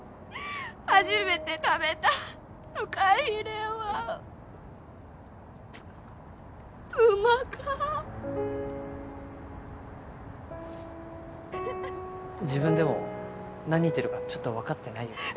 初めて食べたフカヒレはうまか自分でも何言ってるかちょっと分かってないよね